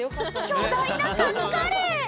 巨大なカツカレー！